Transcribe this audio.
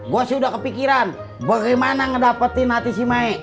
gua sudah kepikiran bagaimana ngedapetin hati may